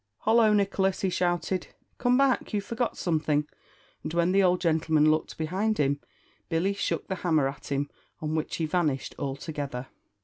"Hollo! Nicholas!" he shouted, "come back; you forgot something!" and when the old gentleman looked behind him, Billy shook the hammer at him, on which he vanished altogether.